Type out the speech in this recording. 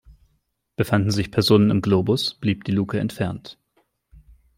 Befanden sich Personen im Globus, blieb die Luke entfernt.